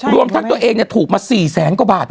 รวมทั้งตัวเองถูกมา๔แสนกว่าบาท